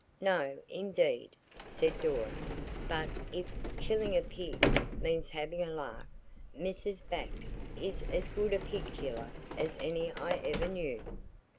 "No, indeed," said Dora, but if "killing a pig" means having a lark, Mrs. Bax is as good a pig killer as any I ever knew.